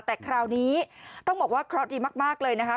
แต่คราวนี้ต้องบอกว่าเคราะห์ดีมากเลยนะคะ